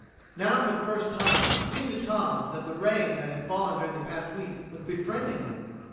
Now, for the first time, it seemed to Tom that the rain which had fallen during the past week was befriending him.